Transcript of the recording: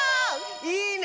いいね！